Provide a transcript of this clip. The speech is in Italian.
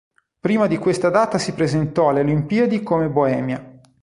Prima di questa data si presentò alle Olimpiadi come Boemia.